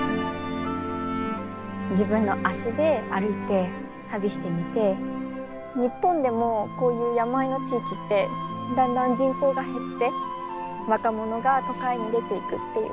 自分の足で歩いて旅してみて日本でもこういう山あいの地域ってだんだん人口が減って若者が都会に出ていくっていう。